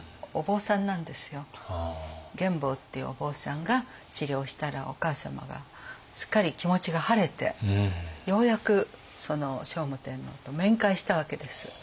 玄っていうお坊さんが治療したらお母様がすっかり気持ちが晴れてようやく聖武天皇と面会したわけです。